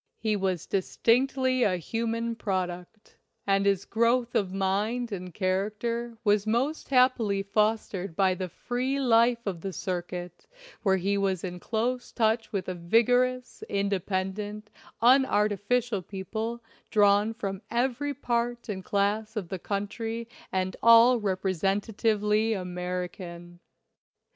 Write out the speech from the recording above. He was distinctly a human product, and his growth of mind and character was most happily fostered by the free life of the circuit, where he was in close touch with a vigorous, independent, unarti ficial people drawn from every part and class of the country and all representatively American.